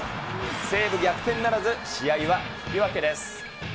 西武、逆転ならず、試合は引き分けです。